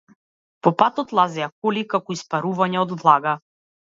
По патот лазеа коли како испарувања од влага.